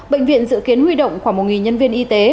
bệnh viện dự kiến huy động khoảng một nhân viên y tế